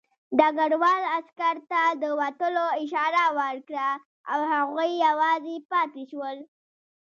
ډګروال عسکر ته د وتلو اشاره وکړه او هغوی یوازې پاتې شول